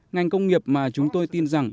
ngành công nghiệp mà chúng tôi tin rằng